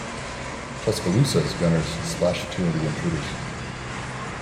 "Tuscaloosa"s gunners splashed two of the intruders.